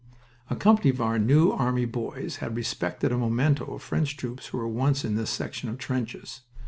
A company of our New Army boys had respected a memento of French troops who were once in this section of trenches.